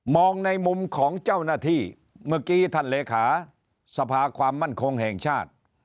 ในมุมของเจ้าหน้าที่เมื่อกี้ท่านเลขาสภาความมั่นคงแห่งชาติ